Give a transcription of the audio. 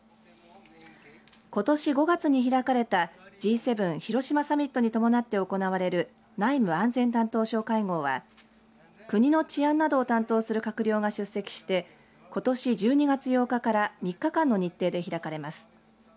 ことし５月に開かれたＧ７広島サミットに伴って行われる内務・安全担当相会合は国の治安などを担当する閣僚が出席してことし１２月８日から３日間の日程で開かれます。